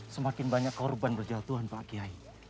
semakin banyak korban berjatuhan pak kiai